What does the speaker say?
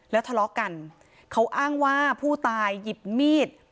แล้วทะเลาะกันเขาอ้างว่าผู้ตายหยิบมีด